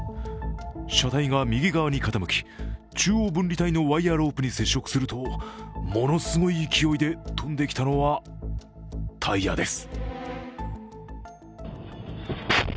車体が右側に傾き、中央分離帯のワイヤーロープに接触するとものすごい勢いで飛んできたのはタイヤです。